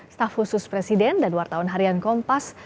staf khusus presiden dan wartawan harian kompas